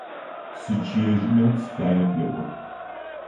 Сычъыежьынэу сыфаеп, – elo.